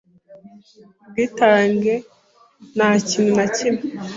ubwitange nta kintu na kimwe